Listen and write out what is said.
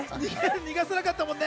逃がさなかったもんね。